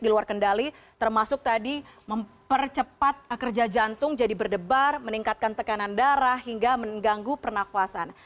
di luar kendali termasuk tadi mempercepat kerja jantung jadi berdebar meningkatkan tekanan darah hingga mengganggu pernafasan